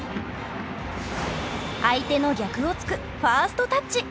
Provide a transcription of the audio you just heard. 相手の逆をつくファーストタッチ。